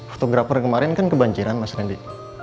fotografer kemarin kan kebanjiran mas randy